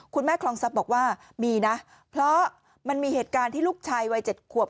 คลองทรัพย์บอกว่ามีนะเพราะมันมีเหตุการณ์ที่ลูกชายวัย๗ขวบ